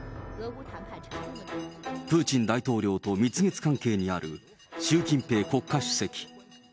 プーチン大統領と蜜月関係にある習近平国家主席。